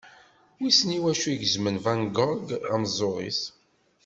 Wissen i wacu i yegzem Van Gogh ameẓẓuɣ-is.